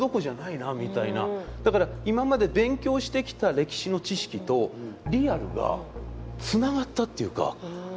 だから今まで勉強してきた歴史の知識とリアルがつながったっていうか。